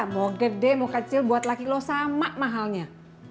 mau gede mau kecil buat laki lo sama mahalnya